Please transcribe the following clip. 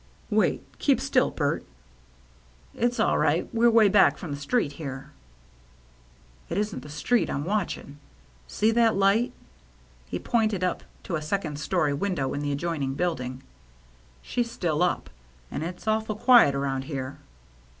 " Wait — keep still, Bert !" THE RED SEAL LABEL 167 " It's all right. We're way back from the street here." " It isn't the street I'm watching. See that light?" He pointed up to a second story window in the adjoining building. " She's still up ; and it's awful quiet around here."